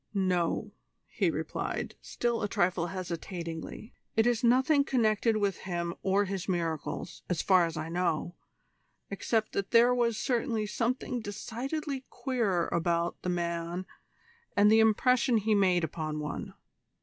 "No," he replied, still a trifle hesitatingly, "it is nothing connected with him or his miracles, as far as I know, except that there was certainly something decidedly queer about the man and the impression he made upon one.